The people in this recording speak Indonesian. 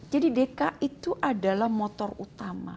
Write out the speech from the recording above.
jadi deka itu adalah motor utama